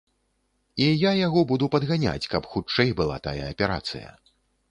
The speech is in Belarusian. І я яго буду падганяць, каб хутчэй была тая аперацыя.